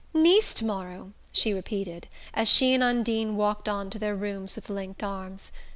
" Nice to morrow," she repeated, as she and Undine walked on to their rooms with linked arms.